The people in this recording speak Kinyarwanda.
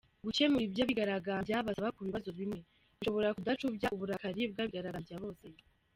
Gukemura ibyo abigaragambya basaba ku bibazo bimwe, bishobora kudacubya uburakari bw'abigaragambya bose.